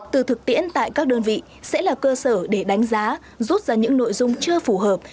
từ thực tiễn tại các đơn vị sẽ là cơ sở để đánh giá rút ra những nội dung chưa phù hợp